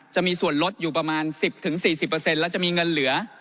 จะมีส่วนลดอยู่ประมาณ๑๐๔๐แล้วจะมีเงินเหลือ